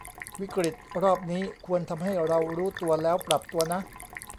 วิกฤตรอบนี้ควรทำให้เรารู้ตัวแล้วปรับตัวนะ